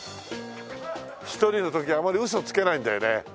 一人の時はあまりウソつけないんだよね。